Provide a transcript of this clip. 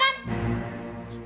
biar muda buang keluar